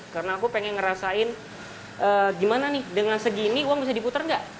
karena aku pengen ngerasain gimana nih dengan segini uang bisa diputer nggak